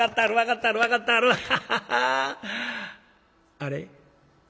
あれ？